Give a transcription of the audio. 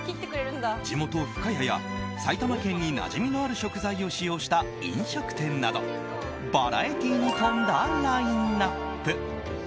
地元・深谷や埼玉県になじみのある食材を使用した飲食店などバラエティーに富んだラインアップ。